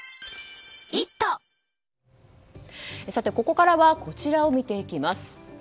ここからはこちらを見ていきます。